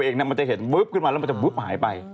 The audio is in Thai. ไปเองมันจะเห็นวัดเลขคลิปขึ้นมาแล้วมันจะวัดเลขหายไป